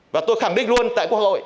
và tôi khẳng định luôn tại quốc hội